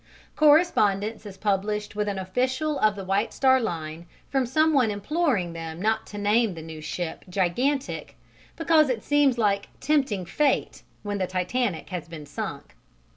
Correspondence is published with an official of the White Star Line from some one imploring them not to name the new ship "Gigantic," because it seems like "tempting fate" when the Titanic has been sunk.